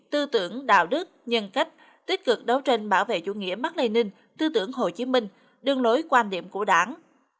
tư tưởng đạo đức nhân cách tích cực đấu tranh bảo vệ chủ nghĩa mắc lây ninh tư tưởng hồ chí minh đương lối quan điểm của đảng